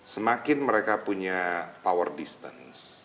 semakin mereka punya power distance